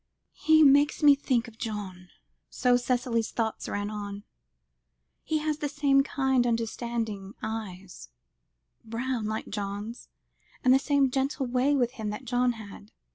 "He makes me think of John," so Cicely's thoughts ran; "he has the same kind understanding eyes brown, like John's and the same gentle way with him that John had.